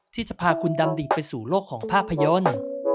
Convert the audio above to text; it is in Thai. ที่จะพาคุณดำดิ่งไปสู่โลกของภาพยนตร์